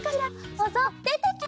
そうぞうでてきて！